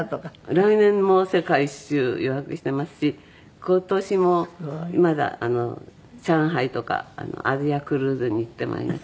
来年も世界一周予約してますし今年もまだ上海とかアジアクルーズに行ってまいります。